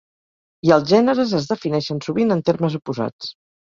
I els gèneres es defineixen sovint en termes oposats.